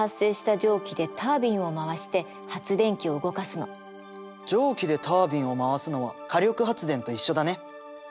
蒸気でタービンを回すのは火力発電と一緒だね。